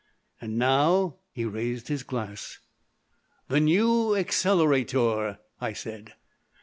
And now " He raised his glass. "The New Accelerator," I said.